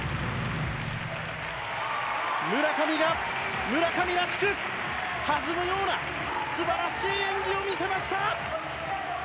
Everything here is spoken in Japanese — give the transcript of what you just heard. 村上が村上らしく、弾むような素晴らしい演技を見せました。